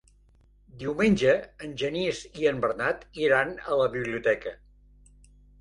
Diumenge en Genís i en Bernat iran a la biblioteca.